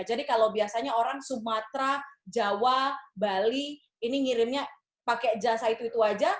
jadi kalau biasanya orang sumatera jawa bali ini ngirimnya pakai jasa itu itu aja